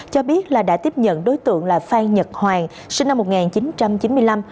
cho biết là đã tiếp nhận đối tượng là phan nhật hoàng sinh năm một nghìn chín trăm chín mươi năm